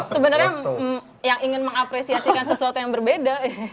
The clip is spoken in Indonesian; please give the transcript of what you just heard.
sebenarnya yang ingin mengapresiasikan sesuatu yang berbeda